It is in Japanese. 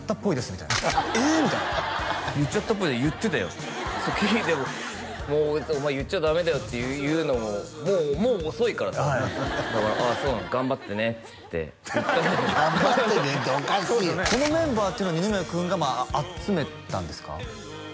みたいな「ええ！」みたいな言っちゃったっぽい言ってたよ「もうお前言っちゃダメだよ」って言うのももう遅いからだから「ああそうなの頑張ってね」つって言ったんだけど「頑張ってね」っておかしいこのメンバーっていうのは二宮君が集めたんですか？